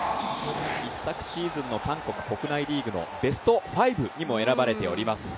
一昨シーズンの韓国国内シーズンのベスト５にも選ばれております